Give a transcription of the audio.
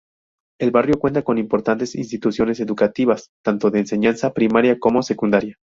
El barrio cuenta con importantes instituciones educativas, tanto de enseñanza primaria como secundaria.